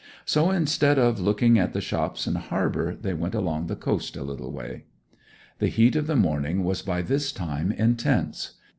So, instead of looking at the shops and harbour, they went along the coast a little way. The heat of the morning was by this time intense.